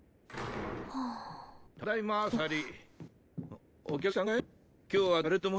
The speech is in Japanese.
ただいまサリー。